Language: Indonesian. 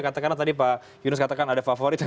katakanlah tadi pak yunus katakan ada favorit